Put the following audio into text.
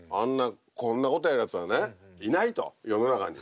こんなことやるやつはねいないと世の中に。